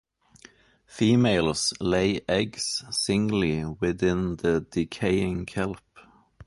Females lay eggs singly within the decaying kelp.